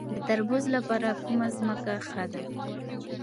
د تربوز لپاره کومه ځمکه ښه ده؟